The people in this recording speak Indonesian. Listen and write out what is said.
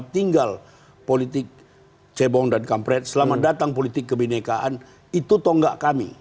tinggal politik cebong dan kampret selamat datang politik kebenekaan itu tonggak kami